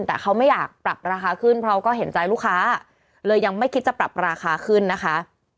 แต่เขาไม่อยากปรับราคาขึ้นเพราะก็เห็นใจลูกค้าเลยยังไม่คิดจะปรับราคาขึ้นนะคะ